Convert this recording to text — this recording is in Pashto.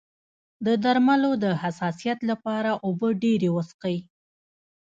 د درملو د حساسیت لپاره اوبه ډیرې وڅښئ